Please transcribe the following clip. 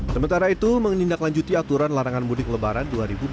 sementara itu menindaklanjuti aturan larangan mudik lebaran dua ribu dua puluh